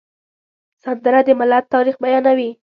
سندره د ملت تاریخ بیانوي